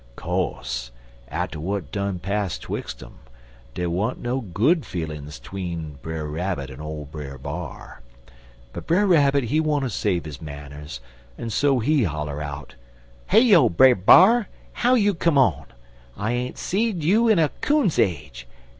Co'se, atter w'at done pass 'twix um dey wa'n't no good feelin's 'tween Brer Rabbit en ole Brer B'ar, but Brer Rabbit, he wanter save his manners, en so he holler out: "'Heyo, Brer B'ar! how you come on? I ain't seed you in a coon's age.